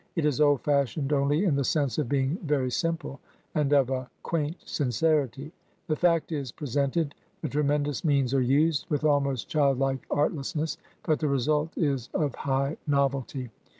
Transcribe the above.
It is old fashioned only in the sense of being very simple, and of a quaint sincerity. The fact is presented, the tre mendous means are used, with almost childlike artless ness; but the result is of high novelty.